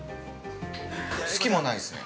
◆好きもないですね。